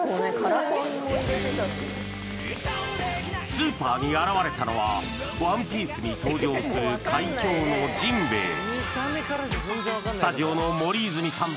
スーパーに現れたのは「ＯＮＥＰＩＥＣＥ」に登場する海侠のジンベエスタジオの森泉さん